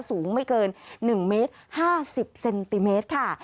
สูงไม่เกิน๑เมตร๕๐เซนติเมตรค่ะ